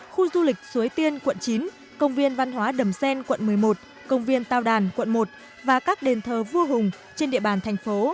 khu du lịch suối tiên quận chín công viên văn hóa đầm xen quận một mươi một công viên tàu đàn quận một và các đền thờ vua hùng trên địa bàn thành phố